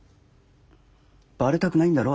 バレたくないんだろ？